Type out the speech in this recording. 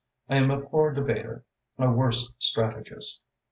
I am a poor debater, a worse strategist.